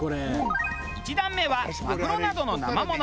１段目はマグロなどの生もの。